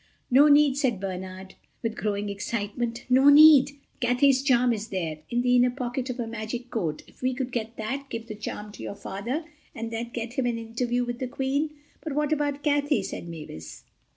"No need," said Bernard, with growing excitement, "no need. Cathay's charm is there, in the inner pocket of her magic coat. If we could get that, give the charm to your Father, and then get him an interview with the Queen?" "But what about Cathay?" said Mavis.